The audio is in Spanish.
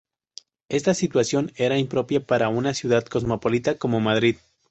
Esta situación era impropia para una ciudad cosmopolita como Madrid.